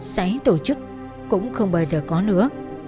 sảy tổ chức cũng không bao giờ có nữa